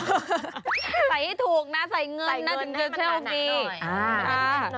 ใส่ให้ถูกนะใส่เงินนะถึงเที่ยวคือใส่เงินให้มันทานาหน่อย